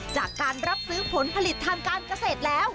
จากการรับซื้อผลผลิตทางการเกษตรแล้ว